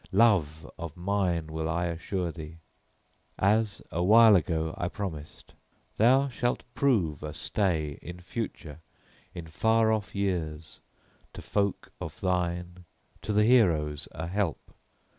Love of mine will I assure thee, as, awhile ago, I promised; thou shalt prove a stay in future, in far off years, to folk of thine, to the heroes a help.